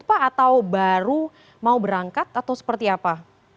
atau baru mau berangkat atau seperti apa